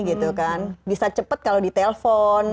gitu kan bisa cepet kalau di telpon